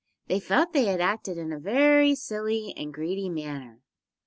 They felt they had acted in a very silly and greedy manner.